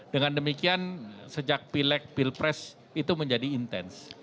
dengan demikian sejak pilek pilpres itu menjadi intens